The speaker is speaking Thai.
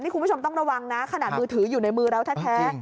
คุณผู้ชมต้องระวังนะขนาดมือถืออยู่ในมือเราแท้